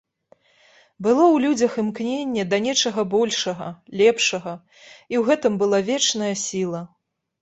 Было ў людзях імкненне да нечага большага, лепшага, і ў гэтым была вечная сіла.